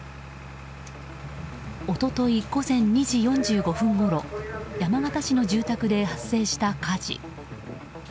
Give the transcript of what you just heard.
一昨日午前２時４５分ごろ山形市の住宅で発生した火事。